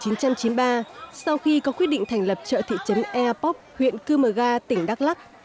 năm một nghìn chín trăm chín mươi ba sau khi có quyết định thành lập chợ thị trấn eapok huyện cư mờ ga tỉnh đắk lắc